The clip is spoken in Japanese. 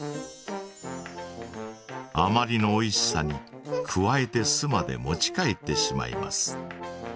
あまりのおいしさにくわえて巣まで持ち帰ってしまいます。